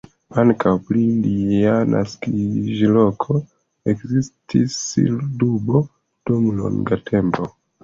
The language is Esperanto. Ankaŭ pri lia naskiĝloko ekzistis dubo dum longa tempo.